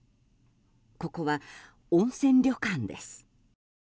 ここは、温泉旅館です。